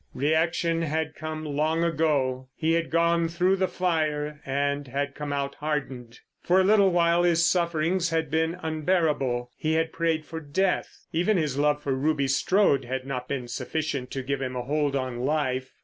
Reaction had come long ago. He had gone through the fire and had come out hardened. For a little while his sufferings had been unbearable. He had prayed for death. Even his love for Ruby Strode had not been sufficient to give him a hold on life.